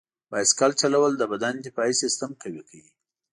بایسکل چلول د بدن دفاعي سیستم قوي کوي.